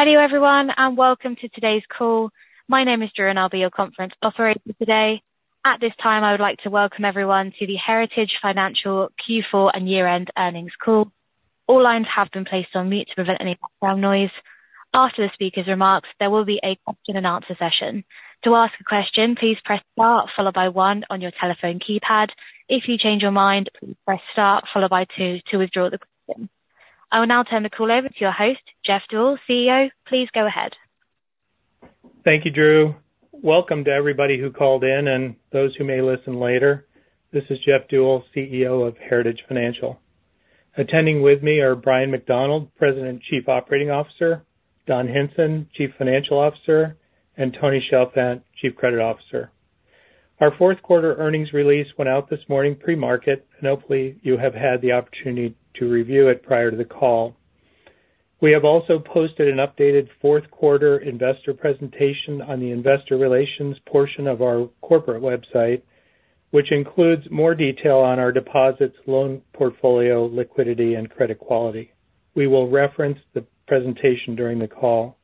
Hello, everyone, and welcome to today's call. My name is Drew, and I'll be your conference operator today. At this time, I would like to welcome everyone to the Heritage Financial Q4 and year-end earnings call. All lines have been placed on mute to prevent any background noise. After the speaker's remarks, there will be a question and answer session. To ask a question, please press star followed by one on your telephone keypad. If you change your mind, please press star followed by two to withdraw the question. I will now turn the call over to your host, Jeff Deuel, CEO. Please go ahead. Thank you, Drew. Welcome to everybody who called in and those who may listen later. This is Jeff Deuel, CEO of Heritage Financial. Attending with me are Bryan McDonald, President and Chief Operating Officer, Don Hinson, Chief Financial Officer, and Tony Chalfant, Chief Credit Officer. Our fourth quarter earnings release went out this morning pre-market, and hopefully, you have had the opportunity to review it prior to the call. We have also posted an updated fourth quarter investor presentation on the investor relations portion of our corporate website, which includes more detail on our deposits, loan portfolio, liquidity, and credit quality. We will reference the presentation during the call.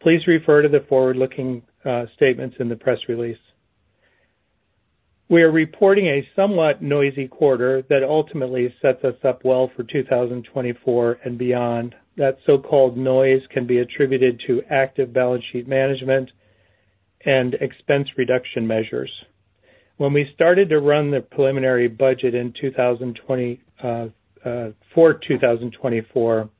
Please refer to the forward-looking statements in the press release. We are reporting a somewhat noisy quarter that ultimately sets us up well for 2024 and beyond. That so-called noise can be attributed to active balance sheet management and expense reduction measures. When we started to run the preliminary budget in 2020 for 2024,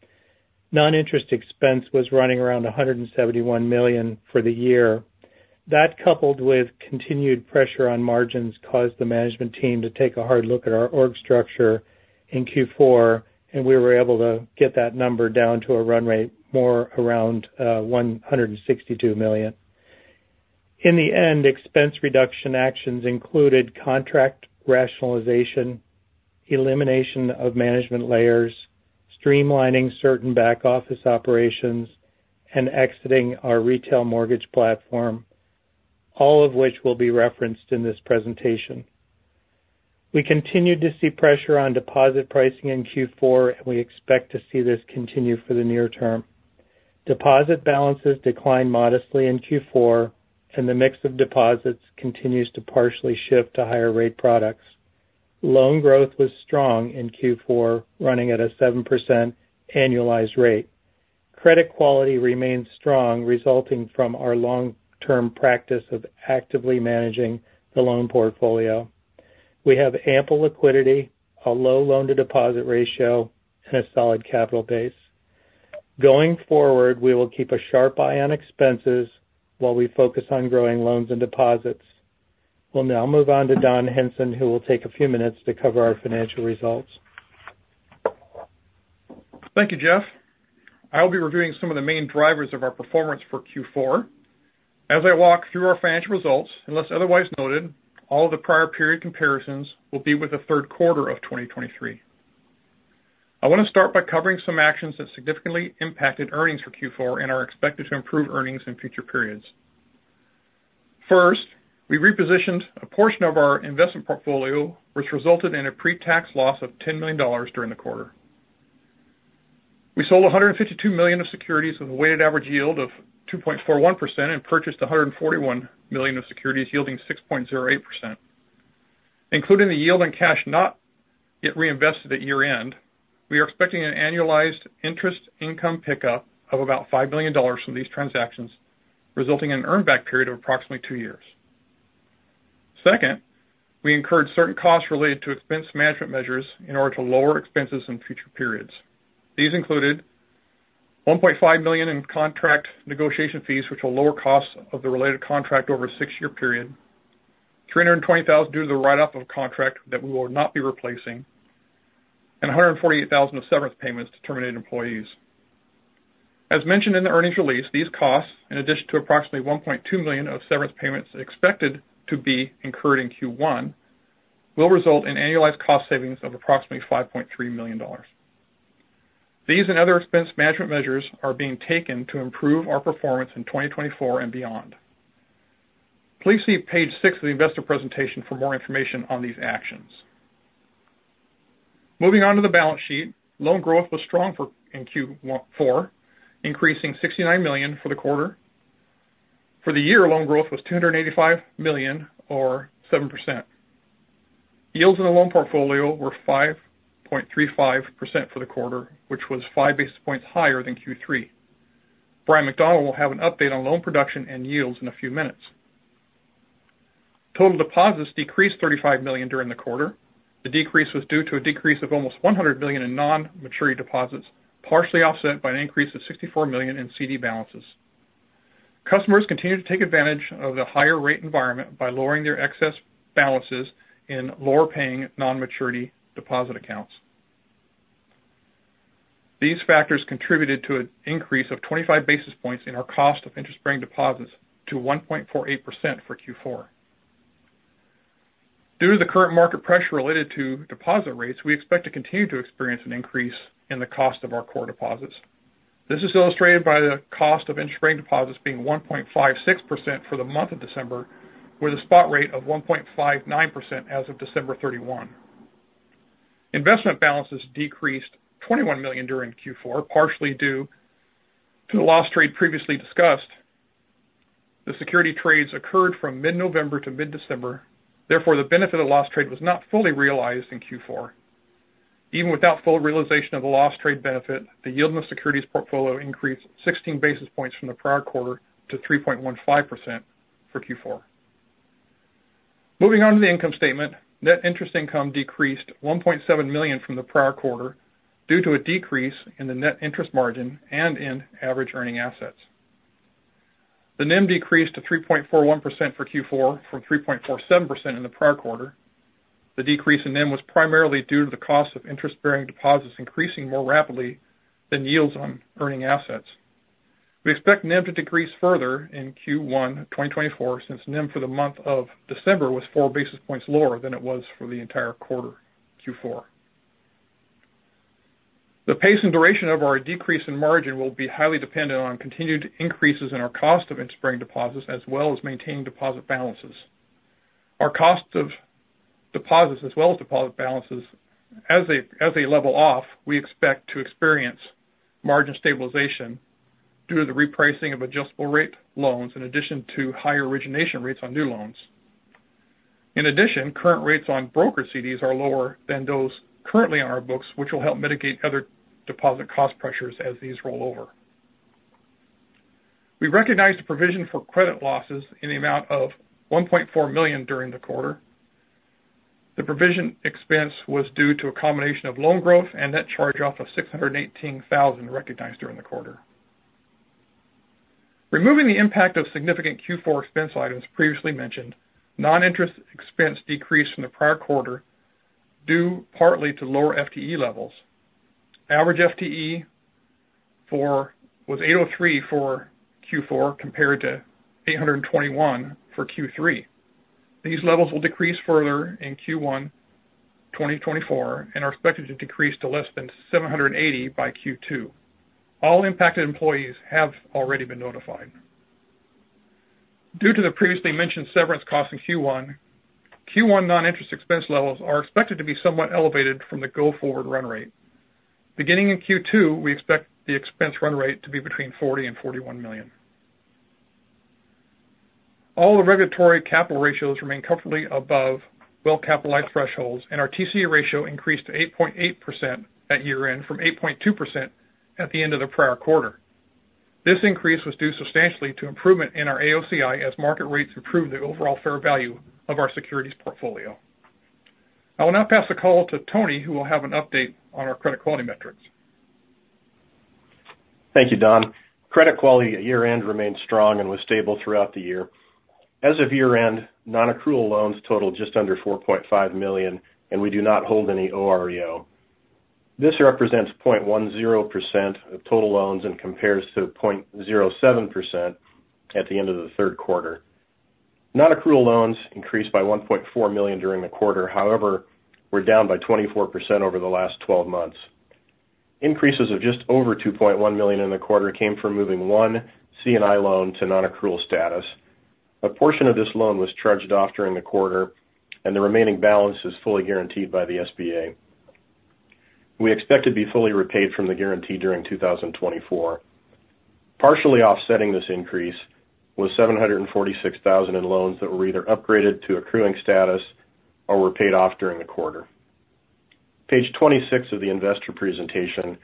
non-interest expense was running around $171 million for the year. That, coupled with continued pressure on margins, caused the management team to take a hard look at our org structure in Q4, and we were able to get that number down to a run rate, more around $162 million. In the end, expense reduction actions included contract rationalization, elimination of management layers, streamlining certain back-office operations, and exiting our retail mortgage platform, all of which will be referenced in this presentation. We continued to see pressure on deposit pricing in Q4, and we expect to see this continue for the near term. Deposit balances declined modestly in Q4, and the mix of deposits continues to partially shift to higher rate products. Loan growth was strong in Q4, running at a 7% annualized rate. Credit quality remains strong, resulting from our long-term practice of actively managing the loan portfolio. We have ample liquidity, a low loan-to-deposit ratio, and a solid capital base. Going forward, we will keep a sharp eye on expenses while we focus on growing loans and deposits. We'll now move on to Don Hinson, who will take a few minutes to cover our financial results. Thank you, Jeff. I'll be reviewing some of the main drivers of our performance for Q4. As I walk through our financial results, unless otherwise noted, all the prior period comparisons will be with the third quarter of 2023. I want to start by covering some actions that significantly impacted earnings for Q4 and are expected to improve earnings in future periods. First, we repositioned a portion of our investment portfolio, which resulted in a pre-tax loss of $10 million during the quarter. We sold 152 million of securities with a weighted average yield of 2.41% and purchased 141 million of securities yielding 6.08%. Including the yield and cash not yet reinvested at year-end, we are expecting an annualized interest income pickup of about $5 million from these transactions, resulting in an earn back period of approximately 2 years. Second, we incurred certain costs related to expense management measures in order to lower expenses in future periods. These included $1.5 million in contract negotiation fees, which will lower costs of the related contract over a 6-year period, $320,000 due to the write-off of a contract that we will not be replacing, and $148,000 of severance payments to terminate employees. As mentioned in the earnings release, these costs, in addition to approximately $1.2 million of severance payments expected to be incurred in Q1, will result in annualized cost savings of approximately $5.3 million. These and other expense management measures are being taken to improve our performance in 2024 and beyond. Please see page 6 of the investor presentation for more information on these actions. Moving on to the balance sheet. Loan growth was strong for Q14, increasing $69 million for the quarter. For the year, loan growth was $285 million or 7%. Yields in the loan portfolio were 5.35% for the quarter, which was five basis points higher than Q3. Bryan McDonald will have an update on loan production and yields in a few minutes. Total deposits decreased $35 million during the quarter. The decrease was due to a decrease of almost $100 million in non-maturity deposits, partially offset by an increase of $64 million in CD balances. Customers continued to take advantage of the higher rate environment by lowering their excess balances in lower-paying non-maturity deposit accounts. These factors contributed to an increase of 25 basis points in our cost of interest-bearing deposits to 1.48% for Q4. Due to the current market pressure related to deposit rates, we expect to continue to experience an increase in the cost of our core deposits. This is illustrated by the cost of interest-bearing deposits being 1.56% for the month of December, with a spot rate of 1.59% as of December 31. Investment balances decreased $21 million during Q4, partially due to the loss trade previously discussed. The security trades occurred from mid-November to mid-December. Therefore, the benefit of loss trade was not fully realized in Q4. Even without full realization of the loss trade benefit, the yield on the securities portfolio increased 16 basis points from the prior quarter to 3.15% for Q4. Moving on to the income statement. Net interest income decreased $1.7 million from the prior quarter due to a decrease in the net interest margin and in average earning assets. The NIM decreased to 3.41% for Q4 from 3.47% in the prior quarter. The decrease in NIM was primarily due to the cost of interest-bearing deposits increasing more rapidly than yields on earning assets. We expect NIM to decrease further in Q1 2024, since NIM for the month of December was 4 basis points lower than it was for the entire quarter, Q4. The pace and duration of our decrease in margin will be highly dependent on continued increases in our cost of interest-bearing deposits, as well as maintaining deposit balances. Our cost of deposits as well as deposit balances, as they level off, we expect to experience margin stabilization due to the repricing of adjustable rate loans, in addition to higher origination rates on new loans. In addition, current rates on broker CDs are lower than those currently on our books, which will help mitigate other deposit cost pressures as these roll over. We recognized a provision for credit losses in the amount of $1.4 million during the quarter. The provision expense was due to a combination of loan growth and net charge-off of $618,000 recognized during the quarter. Removing the impact of significant Q4 expense items previously mentioned, non-interest expense decreased from the prior quarter, due partly to lower FTE levels. Average FTE was 803 for Q4, compared to 821 for Q3. These levels will decrease further in Q1 2024, and are expected to decrease to less than 780 by Q2. All impacted employees have already been notified. Due to the previously mentioned severance costs in Q1, Q1 non-interest expense levels are expected to be somewhat elevated from the go-forward run rate. Beginning in Q2, we expect the expense run rate to be between $40 million and $41 million. All the regulatory capital ratios remain comfortably above well-capitalized thresholds, and our TCE ratio increased to 8.8% at year-end, from 8.2% at the end of the prior quarter. This increase was due substantially to improvement in our AOCI as market rates improved the overall fair value of our securities portfolio. I will now pass the call to Tony, who will have an update on our credit quality metrics. Thank you, Don. Credit quality at year-end remained strong and was stable throughout the year. As of year-end, nonaccrual loans totaled just under $4.5 million, and we do not hold any OREO. This represents 0.10% of total loans and compares to 0.07% at the end of the third quarter. Nonaccrual loans increased by $1.4 million during the quarter, however, were down by 24% over the last twelve months. Increases of just over $2.1 million in the quarter came from moving one C&I loan to nonaccrual status. A portion of this loan was charged off during the quarter, and the remaining balance is fully guaranteed by the SBA. We expect to be fully repaid from the guarantee during 2024. Partially offsetting this increase was $746,000 in loans that were either upgraded to accruing status or were paid off during the quarter. Page 26 of the investor presentation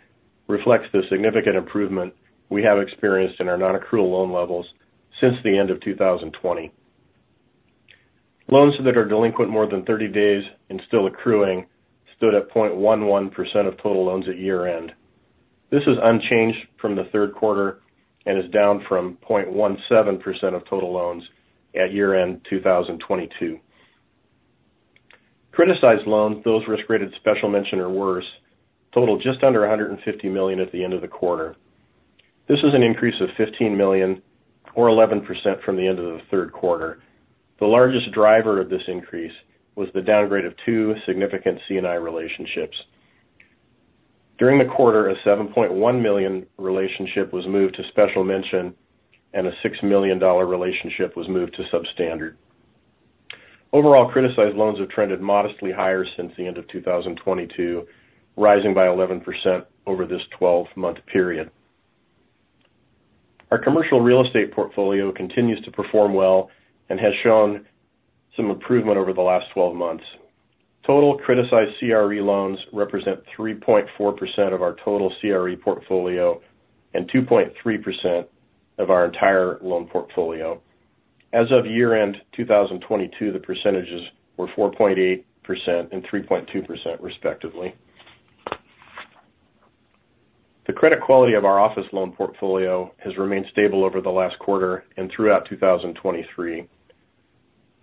reflects the significant improvement we have experienced in our nonaccrual loan levels since the end of 2020. Loans that are delinquent more than 30 days and still accruing stood at 0.11% of total loans at year-end. This is unchanged from the third quarter and is down from 0.17% of total loans at year-end 2022. Criticized loans, those risk-rated special mention or worse, totaled just under $150 million at the end of the quarter. This is an increase of $15 million or 11% from the end of the third quarter. The largest driver of this increase was the downgrade of two significant C&I relationships. During the quarter, a $7.1 million relationship was moved to special mention, and a $6 million relationship was moved to substandard. Overall, criticized loans have trended modestly higher since the end of 2022, rising by 11% over this 12-month period. Our commercial real estate portfolio continues to perform well and has shown some improvement over the last 12 months. Total criticized CRE loans represent 3.4% of our total CRE portfolio and 2.3% of our entire loan portfolio. As of year-end 2022, the percentages were 4.8% and 3.2% respectively. The credit quality of our office loan portfolio has remained stable over the last quarter and throughout 2023.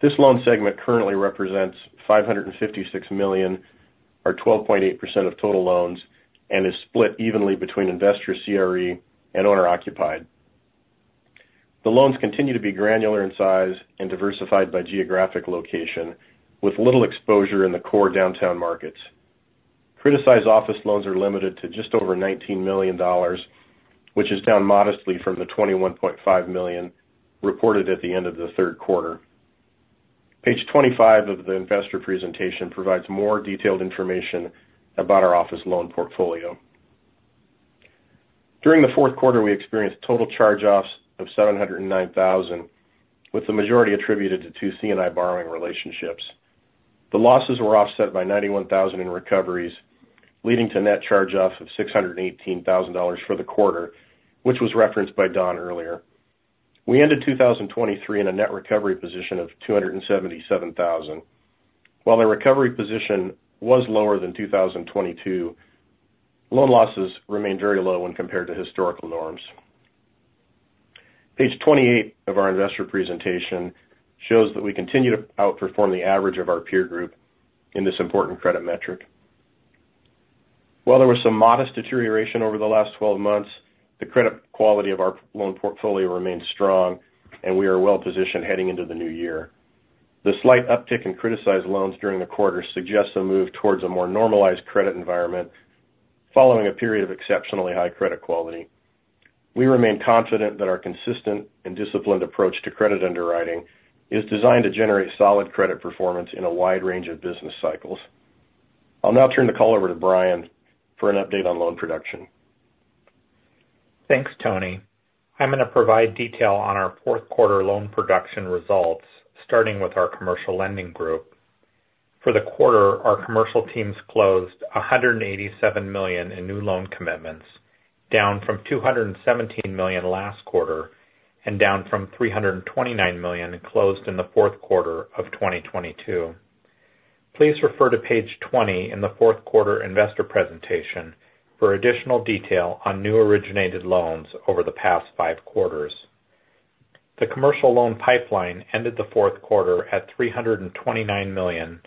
This loan segment currently represents $556 million, or 12.8% of total loans, and is split evenly between investor CRE and owner-occupied. The loans continue to be granular in size and diversified by geographic location, with little exposure in the core downtown markets. Criticized office loans are limited to just over $19 million, which is down modestly from the $21.5 million reported at the end of the third quarter. Page 25 of the investor presentation provides more detailed information about our office loan portfolio. During the fourth quarter, we experienced total charge-offs of $709,000, with the majority attributed to two C&I borrowing relationships. The losses were offset by $91,000 in recoveries, leading to net charge-offs of $618,000 for the quarter, which was referenced by Don earlier. We ended 2023 in a net recovery position of $277,000. While the recovery position was lower than 2022, loan losses remained very low when compared to historical norms. Page 28 of our investor presentation shows that we continue to outperform the average of our peer group in this important credit metric. While there was some modest deterioration over the last 12 months, the credit quality of our loan portfolio remains strong, and we are well positioned heading into the new year. The slight uptick in criticized loans during the quarter suggests a move towards a more normalized credit environment following a period of exceptionally high credit quality. We remain confident that our consistent and disciplined approach to credit underwriting is designed to generate solid credit performance in a wide range of business cycles. I'll now turn the call over to Bryan for an update on loan production. Thanks, Tony. I'm going to provide detail on our fourth quarter loan production results, starting with our commercial lending group. For the quarter, our commercial teams closed $187 million in new loan commitments, down from $217 million last quarter and down from $329 million closed in the fourth quarter of 2022. Please refer to page 20 in the fourth quarter investor presentation for additional detail on new originated loans over the past five quarters. The commercial loan pipeline ended the fourth quarter at $329 million,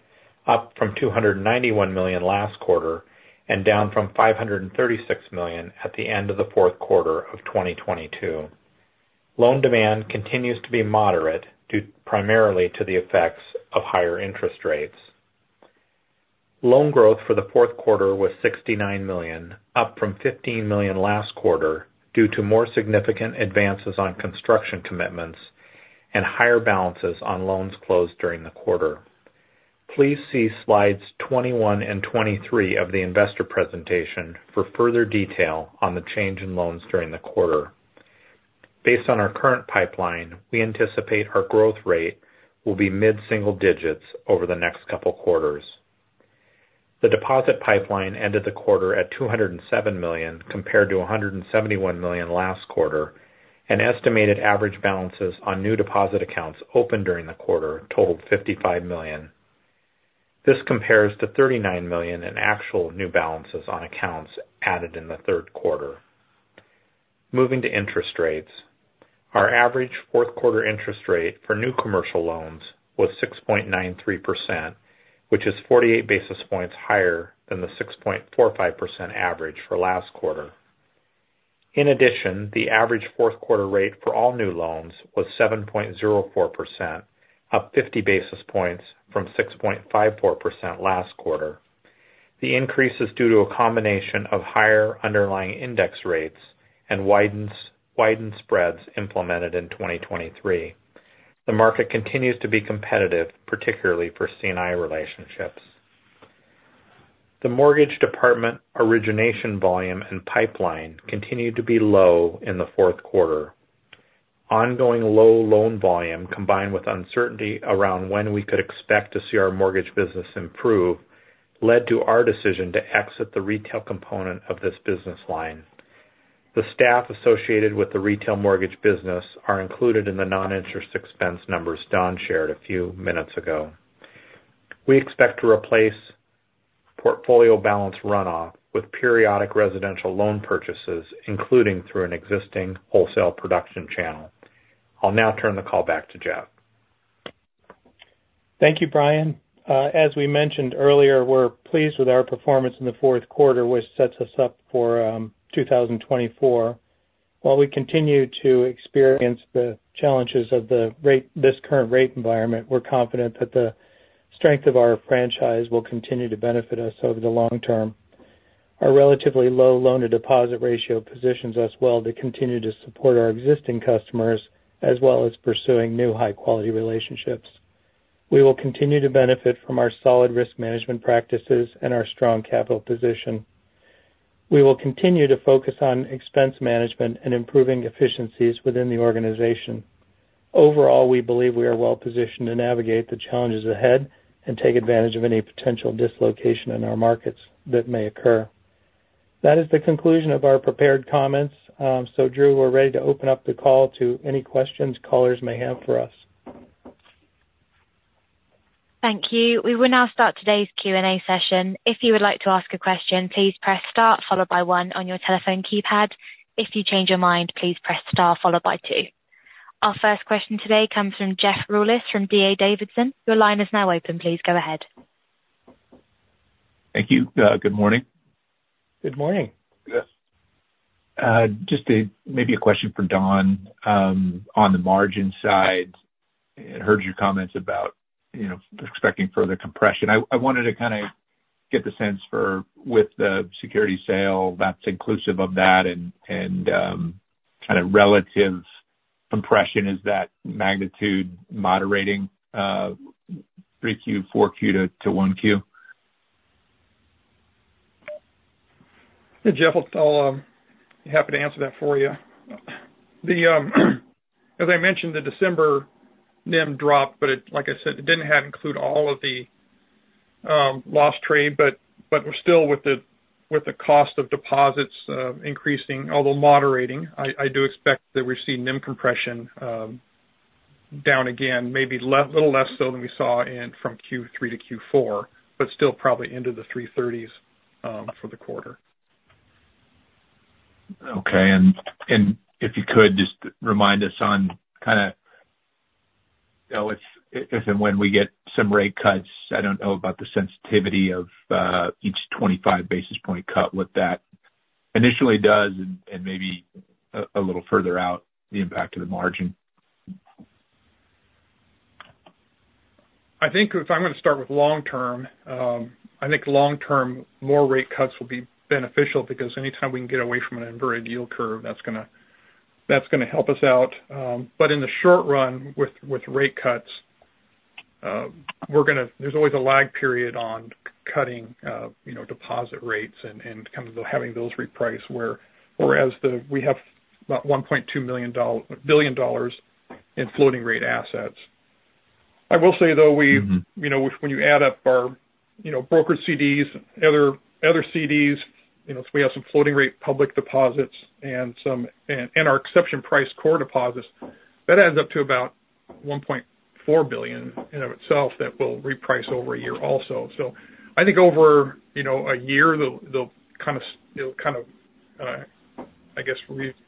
up from $291 million last quarter and down from $536 million at the end of the fourth quarter of 2022. Loan demand continues to be moderate, due primarily to the effects of higher interest rates. Loan growth for the fourth quarter was $69 million, up from $15 million last quarter, due to more significant advances on construction commitments and higher balances on loans closed during the quarter. Please see slides 21 and 23 of the investor presentation for further detail on the change in loans during the quarter. Based on our current pipeline, we anticipate our growth rate will be mid-single digits over the next couple quarters. The deposit pipeline ended the quarter at $207 million, compared to $171 million last quarter, and estimated average balances on new deposit accounts opened during the quarter totaled $55 million. This compares to $39 million in actual new balances on accounts added in the third quarter. Moving to interest rates. Our average fourth quarter interest rate for new commercial loans was 6.93%, which is 48 basis points higher than the 6.45% average for last quarter. In addition, the average fourth quarter rate for all new loans was 7.04%, up 50 basis points from 6.54% last quarter. The increase is due to a combination of higher underlying index rates and widened spreads implemented in 2023. The market continues to be competitive, particularly for C&I relationships. The mortgage department origination volume and pipeline continued to be low in the fourth quarter. Ongoing low loan volume, combined with uncertainty around when we could expect to see our mortgage business improve, led to our decision to exit the retail component of this business line. The staff associated with the retail mortgage business are included in the noninterest expense numbers Don shared a few minutes ago. We expect to replace portfolio balance runoff with periodic residential loan purchases, including through an existing wholesale production channel. I'll now turn the call back to Jeff. Thank you, Bryan. As we mentioned earlier, we're pleased with our performance in the fourth quarter, which sets us up for 2024. While we continue to experience the challenges of this current rate environment, we're confident that the strength of our franchise will continue to benefit us over the long term. Our relatively low loan-to-deposit ratio positions us well to continue to support our existing customers, as well as pursuing new high-quality relationships. We will continue to benefit from our solid risk management practices and our strong capital position. We will continue to focus on expense management and improving efficiencies within the organization. Overall, we believe we are well positioned to navigate the challenges ahead and take advantage of any potential dislocation in our markets that may occur. That is the conclusion of our prepared comments. So, Drew, we're ready to open up the call to any questions callers may have for us. Thank you. We will now start today's Q&A session. If you would like to ask a question, please press star followed by one on your telephone keypad. If you change your mind, please press star followed by two. Our first question today comes from Jeff Rulis from D.A. Davidson. Your line is now open. Please go ahead. Thank you. Good morning. Good morning, Jeff. Just maybe a question for Don on the margin side. I heard your comments about, you know, expecting further compression. I wanted to get the sense for, with the security sale, that's inclusive of that and kind of relative compression, is that magnitude moderating 3Q, 4Q to 1Q? Hey, Jeff, I'll happy to answer that for you. The, as I mentioned, the December NIM dropped, but it—like I said, it didn't have include all of the loss trade, but, but we're still with the cost of deposits increasing, although moderating. I do expect that we've seen NIM compression down again, maybe a little less so than we saw from Q3 to Q4, but still probably into the three thirties for the quarter. Okay. And if you could, just remind us on kind of, you know, if and when we get some rate cuts, I don't know about the sensitivity of each 25 basis point cut, what that initially does and maybe a little further out, the impact to the margin. I think if I'm gonna start with long term, I think long term, more rate cuts will be beneficial because anytime we can get away from an inverted yield curve, that's gonna, that's gonna help us out. But in the short run with, with rate cuts, we're gonna—there's always a lag period on cutting, you know, deposit rates and, and kind of having those reprice whereas the—we have about $1.2 billion in floating rate assets. I will say, though, we- Mm-hmm. You know, when you add up our, you know, broker CDs, other CDs, you know, we have some floating rate public deposits and some and our exception price core deposits, that adds up to about $1.4 billion in and of itself, that will reprice over a year also. So I think over, you know, a year, they'll kind of, it'll kind of, I guess,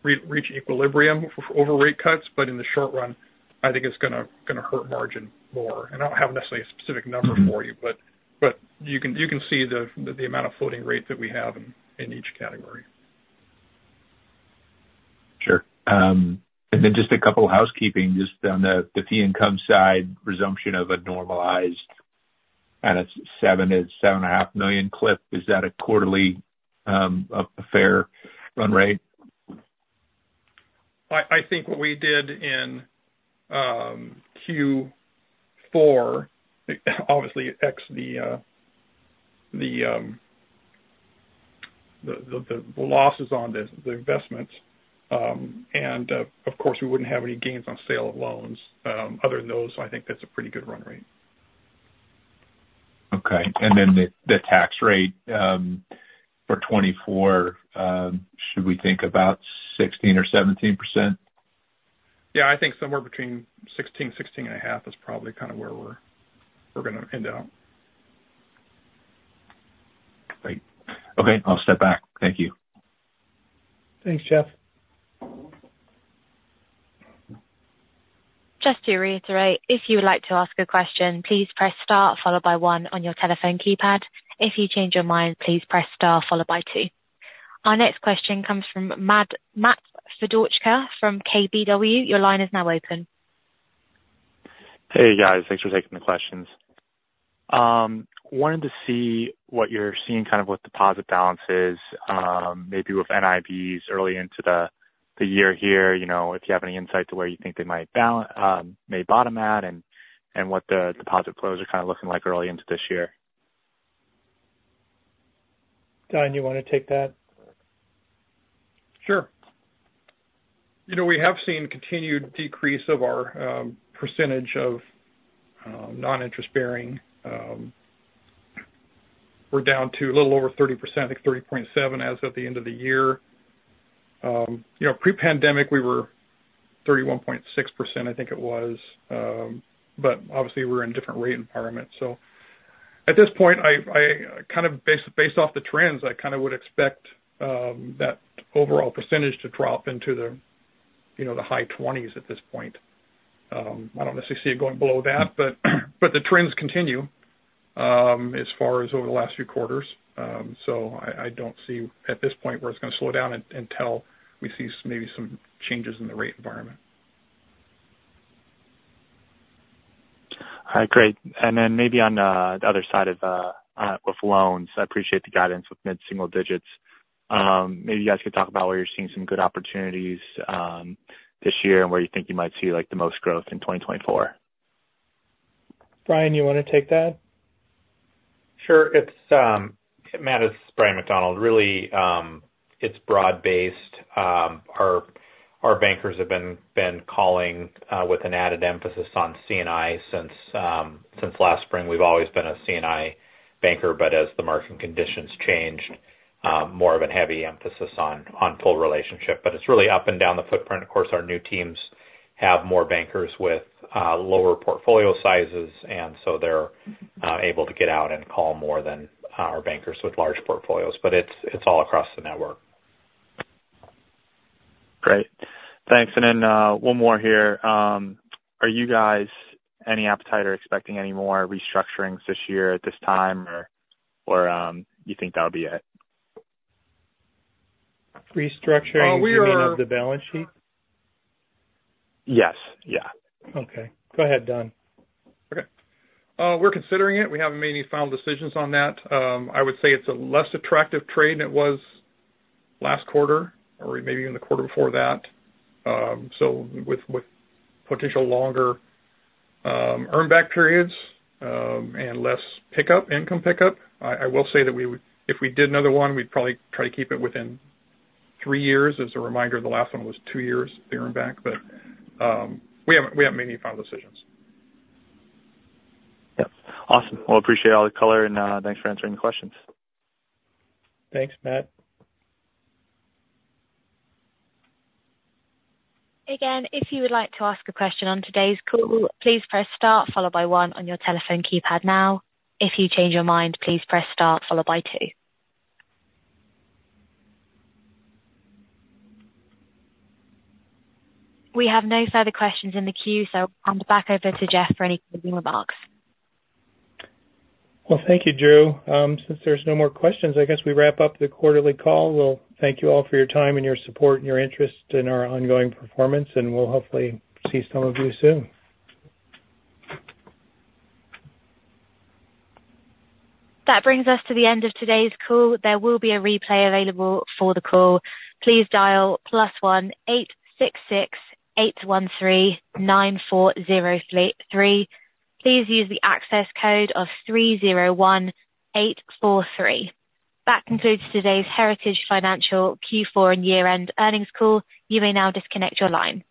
reach equilibrium over rate cuts. But in the short run, I think it's gonna hurt margin more. I don't have necessarily a specific number for you, but you can see the amount of floating rates that we have in each category. Sure. And then just a couple of housekeeping, just on the fee income side, resumption of a normalized, and it's $7, it's $7.5 million clip. Is that a quarterly, a fair run rate? I think what we did in Q4, obviously, except the losses on the investments, and of course, we wouldn't have any gains on sale of loans. Other than those, I think that's a pretty good run rate. Okay. And then the tax rate for 2024, should we think about 16% or 17%? Yeah, I think somewhere between 16 and 16.5 is probably kind of where we're, we're gonna end out. Great. Okay, I'll step back. Thank you. Thanks, Jeff. Just to reiterate, if you would like to ask a question, please press star followed by one on your telephone keypad. If you change your mind, please press star followed by two. Our next question comes from Matt Fedorchak from KBW. Your line is now open. Hey, guys. Thanks for taking the questions. Wanted to see what you're seeing, kind of, with deposit balances, maybe with NIMs early into the year here, you know, if you have any insight to where you think they might balance, may bottom at, and what the deposit flows are kind of looking like early into this year. Don, you want to take that? Sure. You know, we have seen continued decrease of our percentage of non-interest bearing. We're down to a little over 30%, like 3.7%, as of the end of the year. You know, pre-pandemic, we were 31.6%, I think it was. But obviously, we're in different rate environments. So at this point, I kind of based off the trends, I kind of would expect that overall percentage to drop into the high 20s at this point. I don't necessarily see it going below that, but the trends continue as far as over the last few quarters. So I don't see at this point where it's gonna slow down until we see maybe some changes in the rate environment. All right, great. And then maybe on the other side of with loans, I appreciate the guidance with mid-single digits. Maybe you guys could talk about where you're seeing some good opportunities, this year, and where you think you might see, like, the most growth in 2024. Bryan, you want to take that? Sure. It's Matt, it's Bryan McDonald. Really, it's broad-based. Our bankers have been calling with an added emphasis on C&I since last spring. We've always been a C&I banker, but as the market conditions change, more of a heavy emphasis on full relationship. But it's really up and down the footprint. Of course, our new teams have more bankers with lower portfolio sizes, and so they're able to get out and call more than our bankers with large portfolios. But it's all across the network. Great. Thanks. And then, one more here. Are you guys any appetite or expecting any more restructurings this year at this time, or you think that'll be it? Restructuring of the balance sheet? Yes. Yeah. Okay. Go ahead, Don. Okay. We're considering it. We haven't made any final decisions on that. I would say it's a less attractive trade than it was last quarter or maybe even the quarter before that. So with potential longer earn back periods and less pickup, income pickup. I will say that we would, if we did another one, we'd probably try to keep it within three years. As a reminder, the last one was two years to earn back, but we haven't made any final decisions. Yep. Awesome. Well, appreciate all the color, and, thanks for answering the questions. Thanks, Matt. Again, if you would like to ask a question on today's call, please press star followed by one on your telephone keypad now. If you change your mind, please press star followed by two. We have no further questions in the queue, so I'll back over to Jeff for any closing remarks. Well, thank you, Drew. Since there's no more questions, I guess we wrap up the quarterly call. Well, thank you all for your time and your support and your interest in our ongoing performance, and we'll hopefully see some of you soon. That brings us to the end of today's call. There will be a replay available for the call. Please dial +1-866-813-9433. Please use the access code of 301843. That concludes today's Heritage Financial Q4 and year-end earnings call. You may now disconnect your line.